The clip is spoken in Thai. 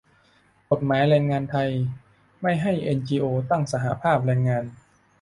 "กฎหมายแรงงานไทยไม่ให้เอ็นจีโอตั้งสหภาพแรงงาน"